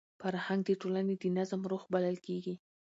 فرهنګ د ټولني د نظم روح بلل کېږي.